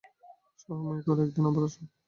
সময় করে একদিন আবার আসুন।